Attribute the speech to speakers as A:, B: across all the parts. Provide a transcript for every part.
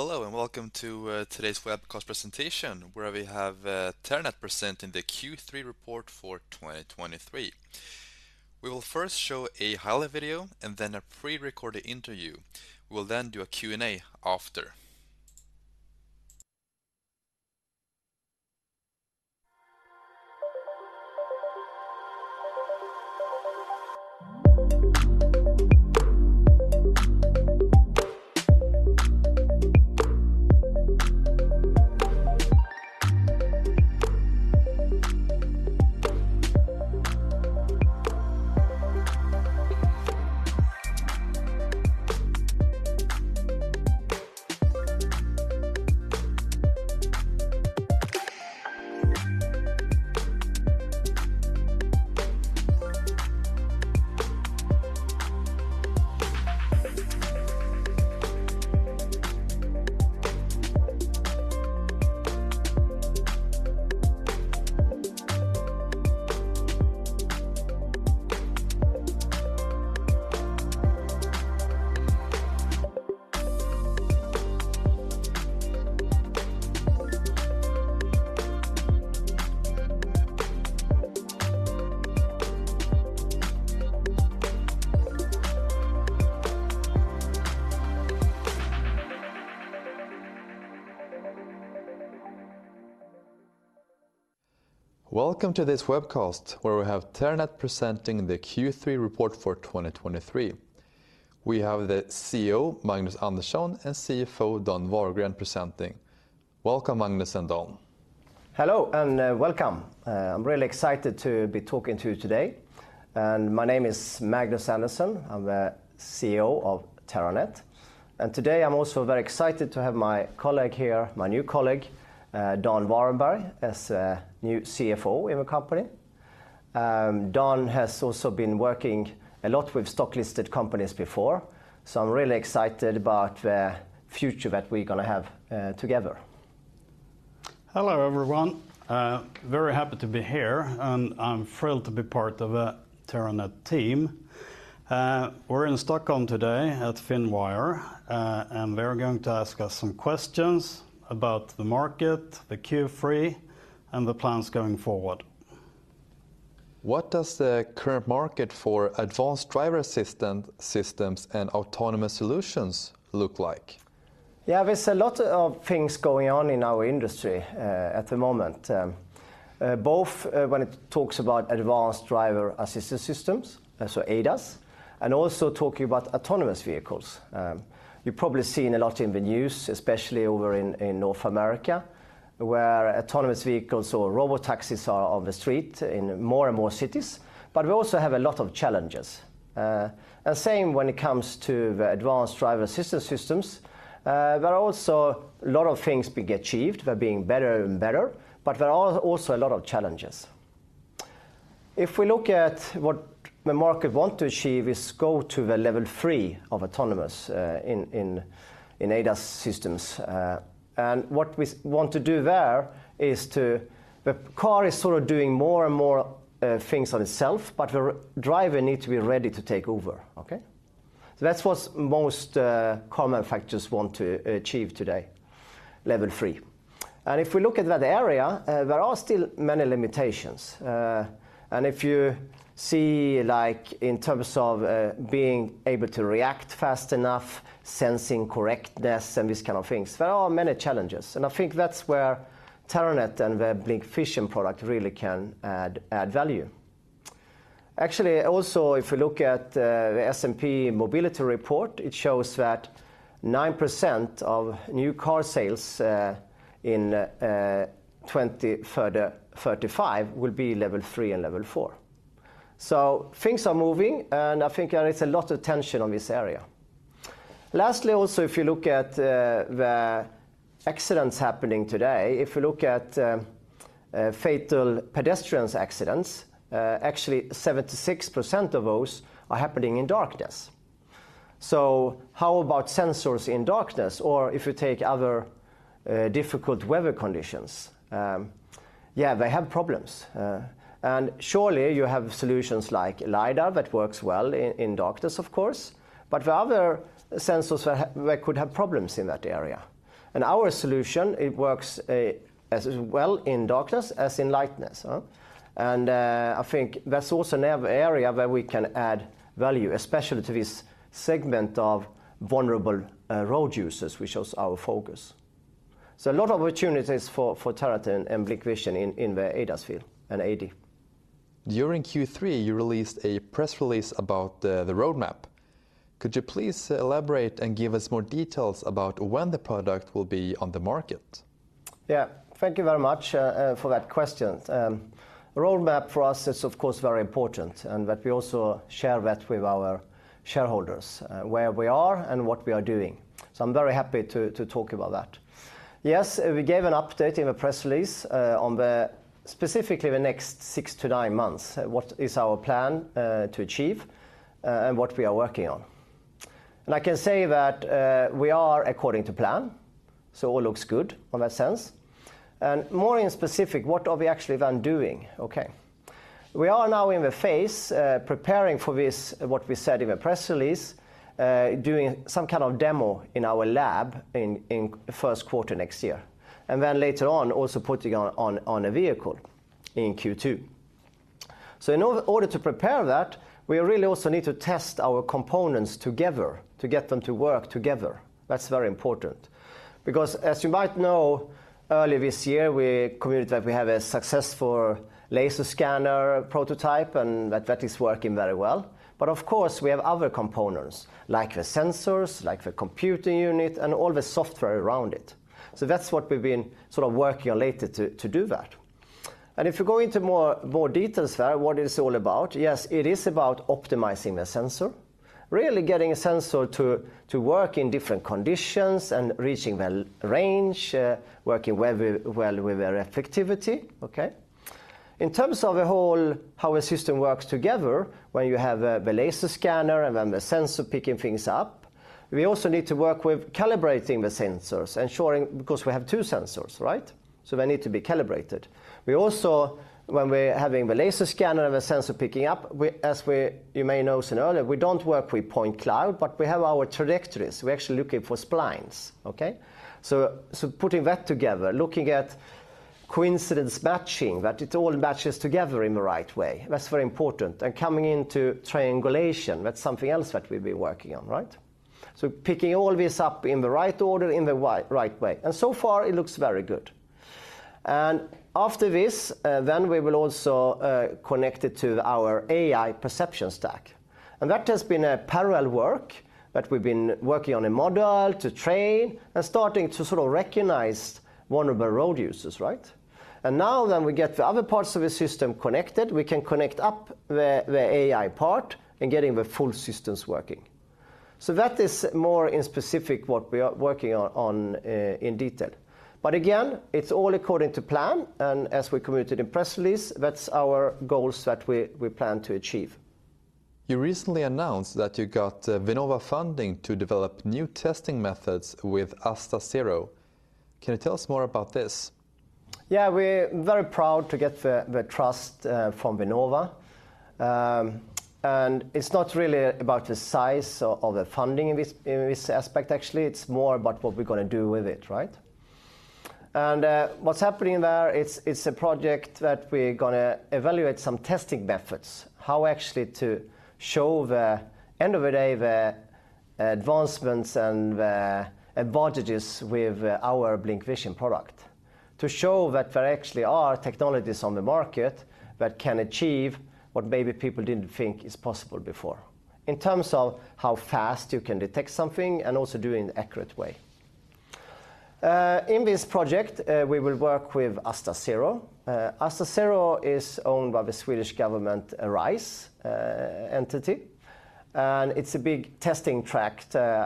A: Hello, and welcome to today's webcast presentation, where we have Terranet presenting the Q3 report for 2023. We will first show a highlight video, and then a pre-recorded interview. We'll then do a Q&A after. Welcome to this webcast, where we have Terranet presenting the Q3 report for 2023. We have the CEO, Magnus Andersson, and CFO, Dan Wahrenberg, presenting. Welcome, Magnus and Dan.
B: Hello, and, welcome. I'm really excited to be talking to you today. And my name is Magnus Andersson. I'm the CEO of Terranet. And today, I'm also very excited to have my colleague here, my new colleague, Dan Wahrenberg, as new CFO in the company. Dan has also been working a lot with stock-listed companies before, so I'm really excited about the future that we're gonna have, together.
C: Hello, everyone. Very happy to be here, and I'm thrilled to be part of the Terranet team. We're in Stockholm today at Finwire, and we're going to ask us some questions about the market, the Q3, and the plans going forward.
A: What does the current market for advanced driver assistance systems and autonomous solutions look like?
B: Yeah, there's a lot of things going on in our industry at the moment, both when it talks about advanced driver assistance systems, so ADAS, and also talking about autonomous vehicles. You've probably seen a lot in the news, especially over in North America, where autonomous vehicles or robotaxis are on the street in more and more cities, but we also have a lot of challenges. The same when it comes to the advanced driver assistance systems, there are also a lot of things being achieved. They're being better and better, but there are also a lot of challenges. If we look at what the market want to achieve, is go to the level three of autonomous in ADAS systems. And what we want to do there is to... The car is sort of doing more and more things on itself, but the driver needs to be ready to take over, okay? So that's what most common factors want to achieve today, level three. And if we look at that area, there are still many limitations. And if you see, like, in terms of being able to react fast enough, sensing correctness, and these kind of things, there are many challenges, and I think that's where Terranet and the BlincVision product really can add value. Actually, also, if you look at the S&P Mobility Report, it shows that 9% of new car sales in 2035 will be level three and level four. So things are moving, and I think there is a lot of attention on this area. Lastly, also, if you look at the accidents happening today, if you look at fatal pedestrians accidents, actually 76% of those are happening in darkness. So how about sensors in darkness, or if you take other difficult weather conditions? Yeah, they have problems. And surely you have solutions like LiDAR that works well in darkness, of course, but the other sensors that could have problems in that area. And our solution, it works as well in darkness as in lightness, huh? And I think that's also another area where we can add value, especially to this segment of vulnerable road users, which is our focus. So a lot of opportunities for Terranet and BlincVision in the ADAS field and AD.
A: During Q3, you released a press release about the roadmap. Could you please elaborate and give us more details about when the product will be on the market?
B: Yeah. Thank you very much for that question. Roadmap for us is, of course, very important, and that we also share that with our shareholders, where we are and what we are doing. So I'm very happy to talk about that. Yes, we gave an update in a press release on, specifically, the next 6-9 months, what is our plan to achieve, and what we are working on. And I can say that we are according to plan, so all looks good in that sense. And more in specific, what are we actually then doing? Okay. We are now in the phase preparing for this, what we said in the press release, doing some kind of demo in our lab in the first quarter next year, and then later on, also putting on a vehicle in Q2. So in order to prepare that, we really also need to test our components together, to get them to work together. That's very important, because as you might know, early this year, we committed that we have a successful laser scanner prototype, and that is working very well. But of course, we have other components, like the sensors, like the computing unit, and all the software around it. So that's what we've been sort of working on lately to do that. And if you go into more details there, what it's all about, yes, it is about optimizing the sensor. Really getting a sensor to work in different conditions and reaching the long range, working very well with their effectivity, okay? In terms of the whole, how a system works together, when you have the laser scanner and then the sensor picking things up, we also need to work with calibrating the sensors, ensuring... Because we have two sensors, right? So they need to be calibrated. We also, when we're having the laser scanner and the sensor picking up, we, as we, you may have noticed earlier, we don't work with point cloud, but we have our trajectories. We're actually looking for splines, okay? So putting that together, looking at coincidence matching, that it all matches together in the right way, that's very important. And coming into triangulation, that's something else that we've been working on, right? So picking all this up in the right order, in the right way. And so far, it looks very good. And after this, then we will also connect it to our AI Perception Stack. And that has been a parallel work, that we've been working on a model to train and starting to sort of recognize one of the road users, right? And now that we get the other parts of the system connected, we can connect up the AI part and getting the full systems working. So that is more in specific what we are working on in detail. But again, it's all according to plan, and as we committed in press release, that's our goals that we plan to achieve.
A: You recently announced that you got Vinnova funding to develop new testing methods with AstaZero. Can you tell us more about this?
B: Yeah, we're very proud to get the trust from Vinnova. It's not really about the size of the funding in this aspect, actually. It's more about what we're gonna do with it, right? What's happening there, it's a project that we're gonna evaluate some testing methods, how actually to show, end of the day, the advancements and advantages with our BlincVision product. To show that there actually are technologies on the market that can achieve what maybe people didn't think is possible before, in terms of how fast you can detect something, and also do it in an accurate way. In this project, we will work with AstaZero. AstaZero is owned by the Swedish government, RISE entity, and it's a big testing track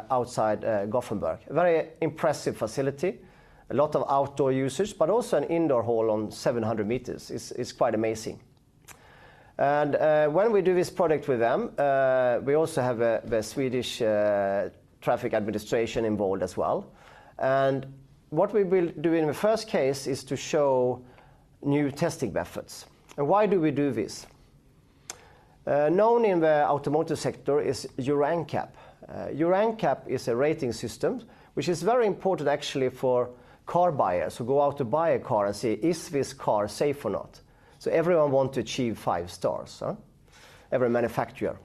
B: outside Gothenburg. A very impressive facility, a lot of outdoor usage, but also an indoor hall on 700 meters. It's quite amazing. When we do this product with them, we also have the Swedish Traffic Administration involved as well. What we will do in the first case is to show new testing methods. Why do we do this? Known in the automotive sector is Euro NCAP. Euro NCAP is a rating system which is very important, actually, for car buyers who go out to buy a car and say, "Is this car safe or not?" So everyone want to achieve five stars, huh? Every manufacturer.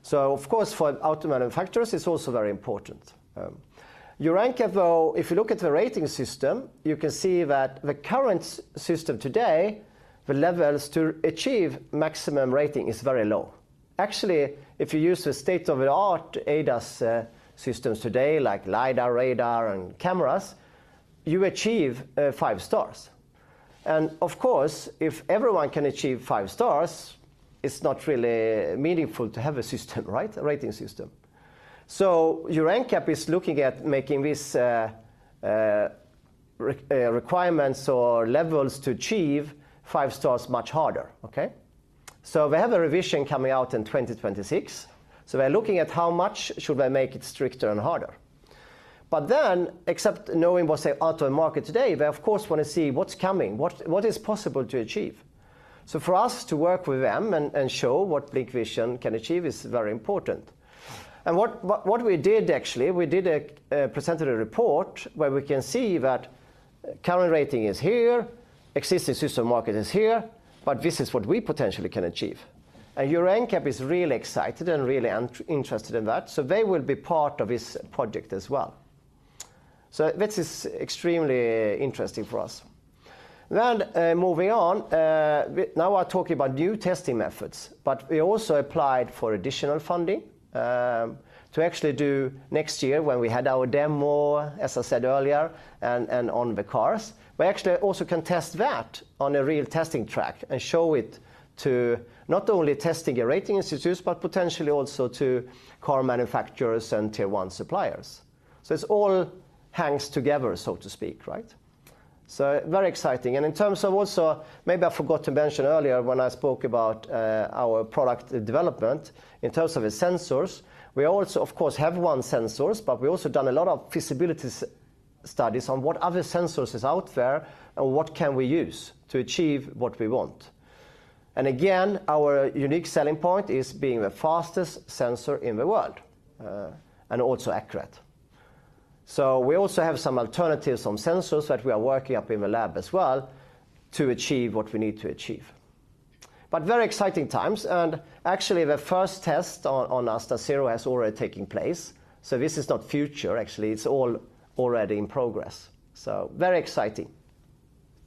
B: So of course, for auto manufacturers, it's also very important. Euro NCAP, though, if you look at the rating system, you can see that the current system today, the levels to achieve maximum rating is very low. Actually, if you use the state-of-the-art ADAS systems today, like LiDAR, radar, and cameras, you achieve five stars. And of course, if everyone can achieve five stars, it's not really meaningful to have a system, right? A rating system. So Euro NCAP is looking at making these requirements or levels to achieve five stars much harder, okay? So they have a revision coming out in 2026, so they're looking at how much should they make it stricter and harder. But then, except knowing what's out on the market today, they of course want to see what's coming, what is possible to achieve. So for us to work with them and show what BlincVision can achieve is very important. And what we did, actually, we presented a report where we can see that current rating is here, existing system market is here, but this is what we potentially can achieve. And Euro NCAP is really excited and really interested in that, so they will be part of this project as well. So this is extremely interesting for us. Then, moving on, now I talk about new testing methods, but we also applied for additional funding to actually do next year, when we have our demo, as I said earlier, and on the cars. We actually also can test that on a real testing track and show it to not only testing and rating institutes, but potentially also to car manufacturers and Tier 1 suppliers. So it all hangs together, so to speak, right? So very exciting. And in terms of also, maybe I forgot to mention earlier when I spoke about our product development, in terms of the sensors, we also, of course, have own sensors, but we've also done a lot of visibility studies on what other sensors is out there, and what can we use to achieve what we want? And aga in, our unique selling point is being the fastest sensor in the world, and also accurate. So we also have some alternatives on sensors that we are working up in the lab as well to achieve what we need to achieve. Very exciting times, and actually, the first test on AstaZero has already taken place, so this is not future. Actually, it's all already in progress, so very exciting.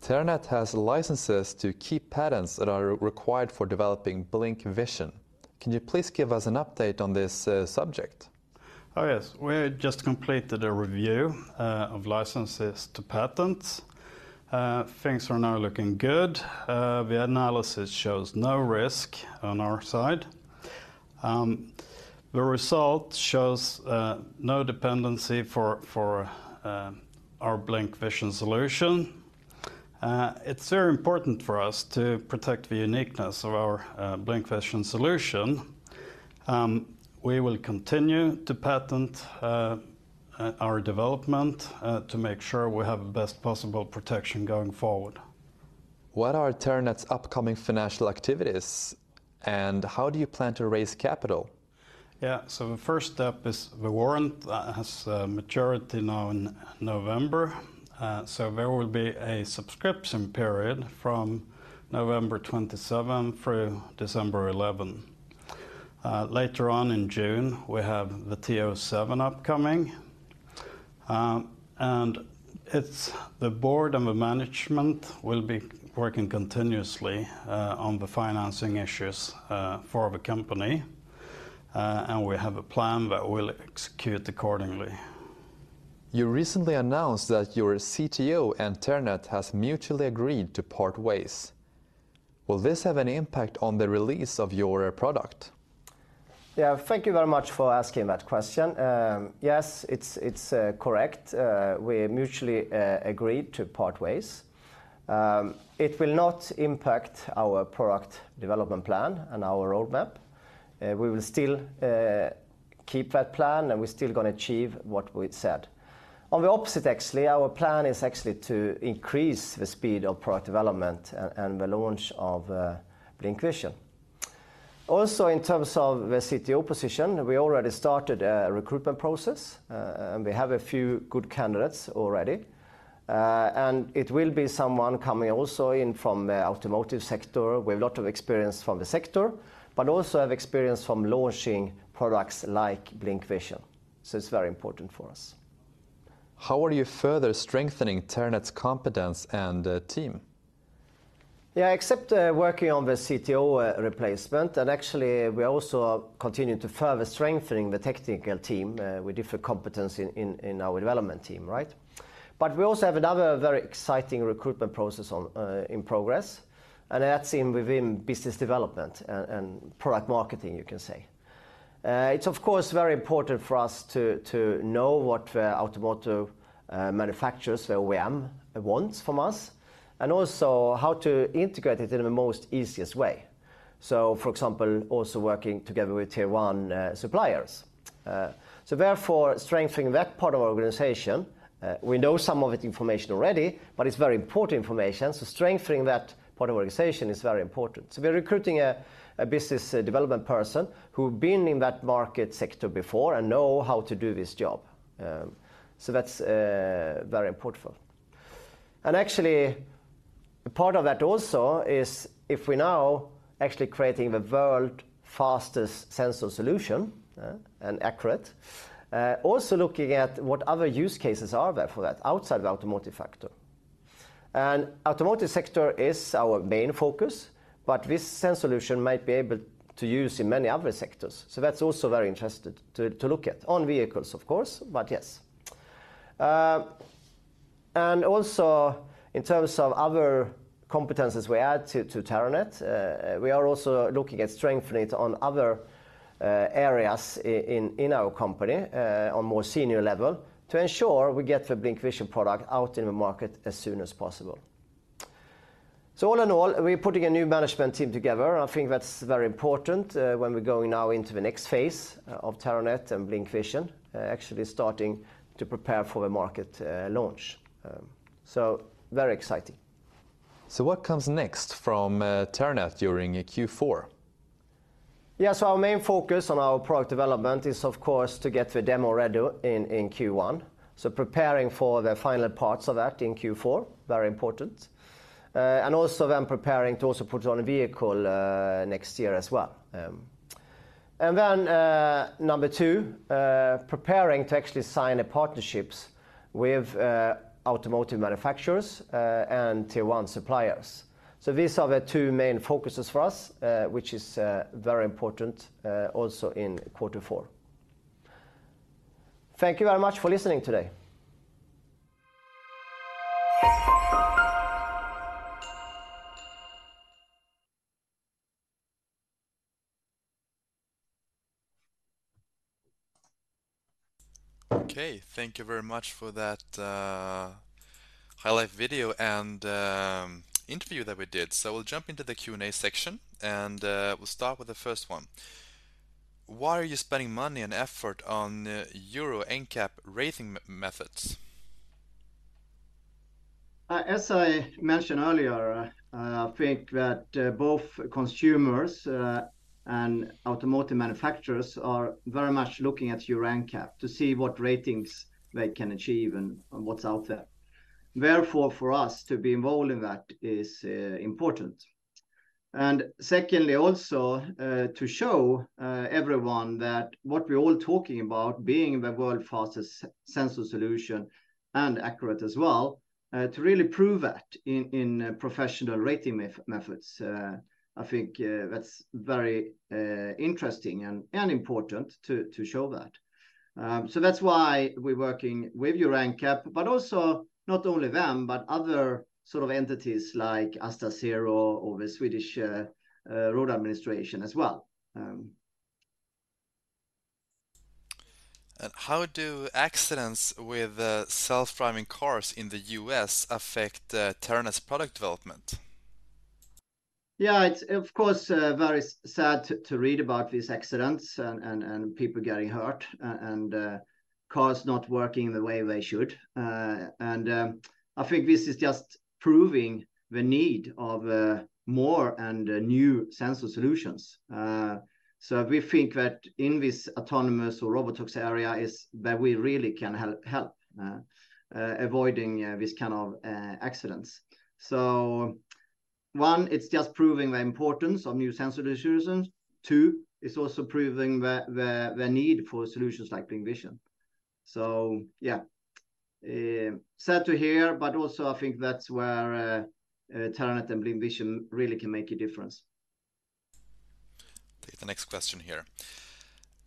A: Terranet has licenses to keep patents that are required for developing BlincVision. Can you please give us an update on this subject?
C: Oh, yes. We just completed a review of licenses to patents. Things are now looking good. The analysis shows no risk on our side. The result shows no dependency for our BlincVision solution. It's very important for us to protect the uniqueness of our BlincVision solution. We will continue to patent our development to make sure we have the best possible protection going forward.
A: What are Terranet's upcoming financial activities, and how do you plan to raise capital?
C: Yeah, so the first step is the warrant has maturity now in November, so there will be a subscription period from November 27 through December 11. Later on in June, we have the TO7 upcoming. And it's the board and the management will be working continuously on the financing issues for the company, and we have a plan that we'll execute accordingly.
A: You recently announced that your CTO and Terranet has mutually agreed to part ways. Will this have any impact on the release of your product?
B: Yeah, thank you very much for asking that question. Yes, it's correct, we mutually agreed to part ways. It will not impact our product development plan and our roadmap. We will still keep that plan, and we're still going to achieve what we'd said. On the opposite, actually, our plan is actually to increase the speed of product development and the launch of BlincVision. Also, in terms of the CTO position, we already started a recruitment process, and we have a few good candidates already. And it will be someone coming also in from the automotive sector with a lot of experience from the sector, but also have experience from launching products like BlincVision, so it's very important for us.
A: How are you further strengthening Terranet's competence and team?
B: Yeah, except working on the CTO replacement, and actually, we also are continuing to further strengthen the technical team with different competence in our development team, right? But we also have another very exciting recruitment process in progress, and that's within business development and product marketing, you can say. It's of course very important for us to know what automotive manufacturers, the OEM, wants from us, and also how to integrate it in the most easiest way, so for example, also working together with Tier 1 suppliers. So therefore, strengthening that part of our organization, we know some of it information already, but it's very important information, so strengthening that part of our organization is very important. So we're recruiting a business development person who's been in that market sector before and know how to do this job. So that's very important for. And actually, part of that also is if we're now actually creating the world's fastest sensor solution and accurate, also looking at what other use cases are there for that outside the automotive sector. And automotive sector is our main focus, but this sensor solution might be able to use in many other sectors, so that's also very interesting to look at on vehicles, of course, but yes. And also in terms of other competencies we add to Terranet, we are also looking at strengthening it on other areas in our company, on more senior level, to ensure we get the BlincVision product out in the market as soon as possible. So all in all, we're putting a new management team together. I think that's very important when we're going now into the next phase of Terranet and BlincVision, actually starting to prepare for the market launch. So very exciting.
A: What comes next from Terranet during Q4?
B: Yeah, so our main focus on our product development is, of course, to get the demo ready in Q1, so preparing for the final parts of that in Q4, very important. And also we are preparing to also put on a vehicle next year as well. And then number two, preparing to actually sign the partnerships with automotive manufacturers and Tier 1 suppliers. So these are the two main focuses for us, which is very important also in quarter four. Thank you very much for listening today.
A: Okay, thank you very much for that highlight video and interview that we did. So we'll jump into the Q&A section, and we'll start with the first one. Why are you spending money and effort on Euro NCAP rating methods?
B: As I mentioned earlier, I think that both consumers and automotive manufacturers are very much looking at Euro NCAP to see what ratings they can achieve and what's out there. Therefore, for us to be involved in that is important. And secondly, also, to show everyone that what we're all talking about, being the world's fastest sensor solution and accurate as well, to really prove that in professional rating methods, I think that's very interesting and important to show that. So that's why we're working with Euro NCAP, but also not only them, but other sort of entities like AstaZero or the Swedish Road Administration as well.
A: How do accidents with self-driving cars in the U.S. affect Terranet's product development?
B: Yeah, it's, of course, very sad to read about these accidents and people getting hurt and cars not working the way they should. I think this is just proving the need of more and new sensor solutions. So we think that in this autonomous or robotics area is that we really can help avoiding this kind of accidents. So one, it's just proving the importance of new sensor solutions. Two, it's also proving the need for solutions like BlincVision. So yeah, sad to hear, but also I think that's where Terranet and BlincVision really can make a difference.
A: Take the next question here.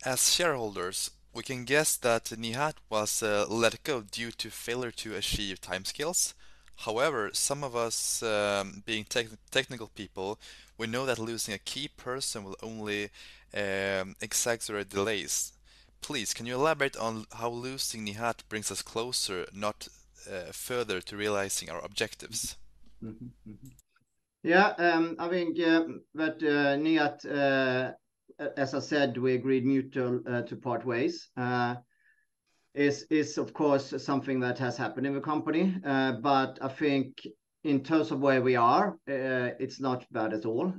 A: As shareholders, we can guess that Nihat was let go due to failure to achieve time scales. However, some of us, being technical people, we know that losing a key person will only exaggerate delays. Please, can you elaborate on how losing Nihat brings us closer, not further to realizing our objectives?
B: Mm-hmm. Mm-hmm. Yeah, I think that Nihat, as I said, we agreed mutual to part ways. Is of course something that has happened in the company. But I think in terms of where we are, it's not bad at all.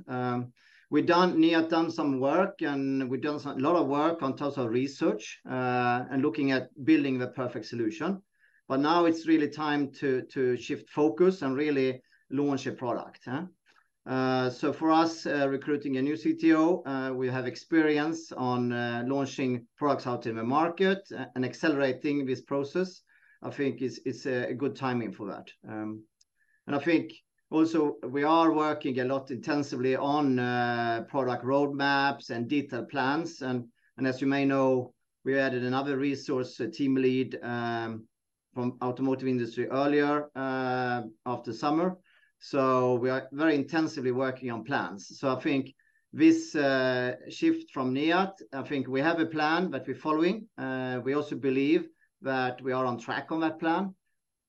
B: We've done. Nihat done some work, and we've done some a lot of work on terms of research and looking at building the perfect solution, but now it's really time to shift focus and really launch a product, huh? So for us, recruiting a new CTO, we have experience on launching products out in the market and accelerating this process, I think is a good timing for that. And I think also we are working a lot intensively on product roadmaps and detailed plans. As you may know, we added another resource, a team lead from automotive industry earlier after summer. So we are very intensively working on plans. So I think this shift from Nihat, I think we have a plan that we're following. We also believe that we are on track on that plan.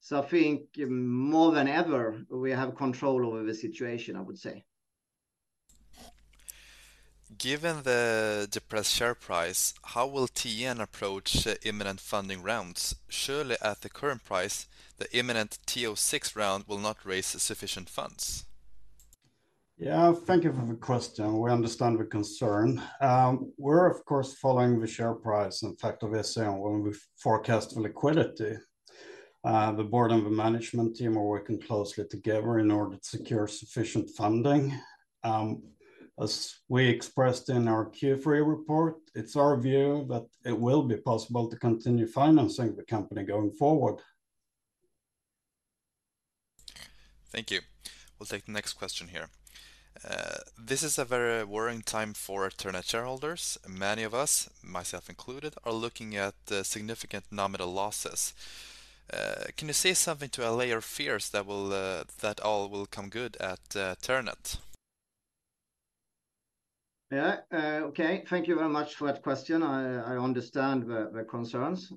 B: So I think more than ever, we have control over the situation, I would say.
A: Given the depressed share price, how will TN approach imminent funding rounds? Surely at the current price, the imminent TO6 round will not raise sufficient funds.
C: Yeah, thank you for the question. We understand the concern. We're, of course, following the share price, in fact, obviously, when we forecast the liquidity, the board and the management team are working closely together in order to secure sufficient funding. As we expressed in our Q3 report, it's our view that it will be possible to continue financing the company going forward.
A: Thank you. We'll take the next question here. This is a very worrying time for Terranet shareholders. Many of us, myself included, are looking at the significant nominal losses. Can you say something to allay our fears that will, that all will come good at Terranet?
B: Yeah, okay. Thank you very much for that question. I understand the concerns.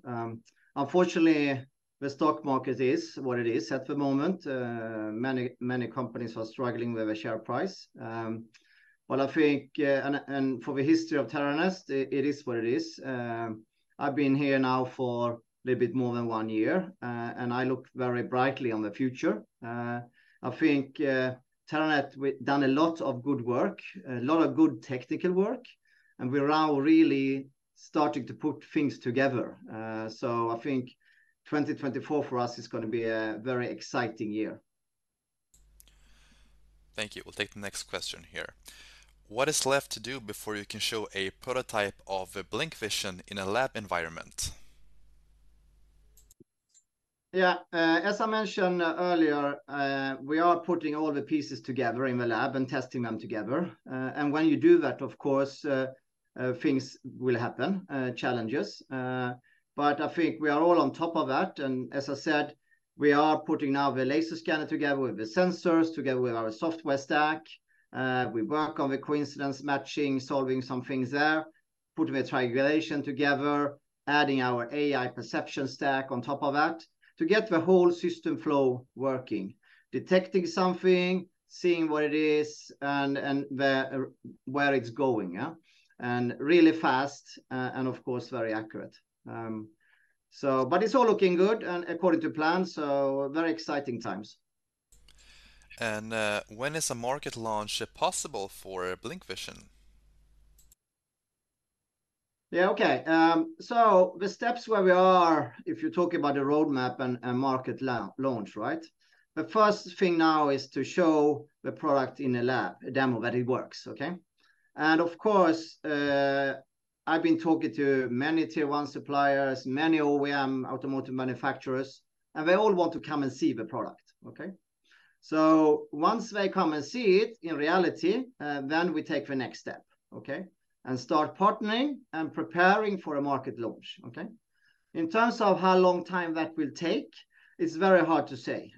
B: Unfortunately, the stock market is what it is at the moment. Many companies are struggling with the share price. Well, I think, and for the history of Terranet, it is what it is. I've been here now for a little bit more than one year, and I look very brightly on the future. I think, Terranet, we've done a lot of good work, a lot of good technical work, and we are now really starting to put things together. So I think 2024 for us is gonna be a very exciting year.
A: Thank you. We'll take the next question here. What is left to do before you can show a prototype of the BlincVision in a lab environment?
B: Yeah, as I mentioned earlier, we are putting all the pieces together in the lab and testing them together. And when you do that, of course, things will happen, challenges. But I think we are all on top of that. And as I said, we are putting now the Laser Scanner together with the sensors, together with our software stack. We work on the Coincidence Matching, solving some things there. Putting the Triangulation together, adding our AI Perception Stack on top of that to get the whole system flow working, detecting something, seeing what it is, and where it's going, yeah? And really fast, and of course, very accurate. So but it's all looking good and according to plan, so very exciting times.
A: When is a market launch possible for BlincVision?
B: Yeah, okay. So the steps where we are, if you're talking about the roadmap and market launch, right? The first thing now is to show the product in a lab, a demo, that it works, okay? And of course, I've been talking to many Tier 1 suppliers, many OEM automotive manufacturers, and they all want to come and see the product, okay? So once they come and see it in reality, then we take the next step, okay? And start partnering and preparing for a market launch, okay? In terms of how long time that will take, it's very hard to say,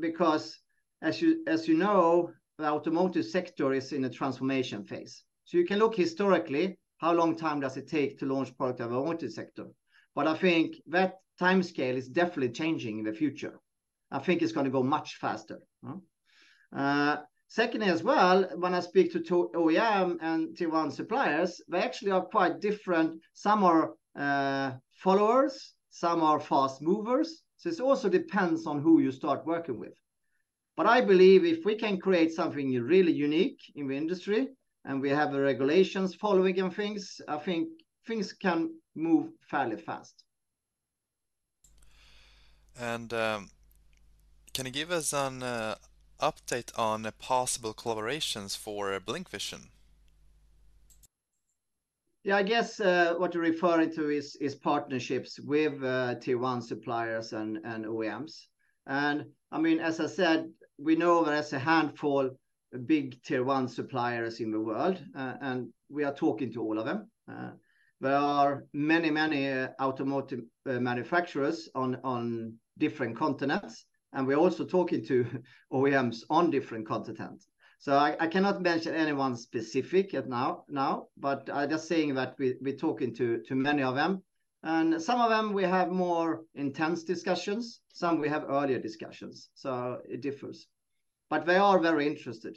B: because as you know, the automotive sector is in a transformation phase. So you can look historically, how long time does it take to launch product in the automotive sector. I think that timescale is definitely changing in the future. I think it's gonna go much faster. Secondly, as well, when I speak to OEM and Tier 1 suppliers, they actually are quite different. Some are followers, some are fast movers, so it also depends on who you start working with. But I believe if we can create something really unique in the industry, and we have the regulations following and things, I think things can move fairly fast.
A: Can you give us an update on the possible collaborations for BlincVision?
B: Yeah, I guess what you're referring to is partnerships with Tier 1 suppliers and OEMs. I mean, as I said, we know there is a handful of big Tier 1 suppliers in the world, and we are talking to all of them. There are many, many automotive manufacturers on different continents, and we're also talking to OEMs on different continents. So I cannot mention anyone specific at now, but I just saying that we talking to many of them, and some of them we have more intense discussions, some we have earlier discussions. So it differs, but they are very interested.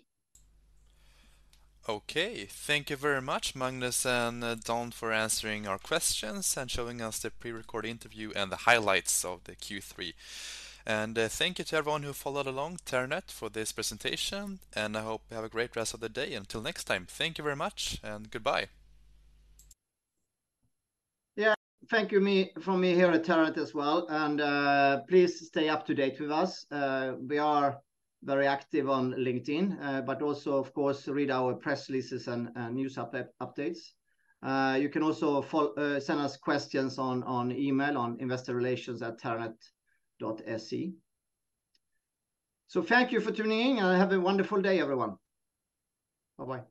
A: Okay. Thank you very much, Magnus and Dan, for answering our questions and showing us the pre-recorded interview and the highlights of the Q3. And, thank you to everyone who followed along, Terranet, for this presentation, and I hope you have a great rest of the day. Until next time, thank you very much and goodbye.
B: Yeah, thank you, from me here at Terranet as well, and please stay up to date with us. We are very active on LinkedIn, but also, of course, read our press releases and news updates. You can also send us questions on email, on investorrelations@terranet.se. So thank you for tuning in, and have a wonderful day, everyone. Bye-bye.